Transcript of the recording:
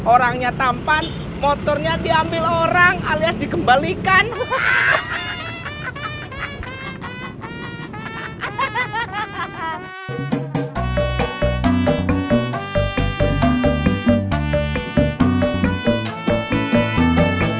orangnya tampan motornya diambil orang alias dikembalikan hahaha hahaha hahaha hahaha